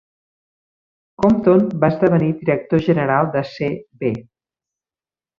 Compton va esdevenir director general de C. B.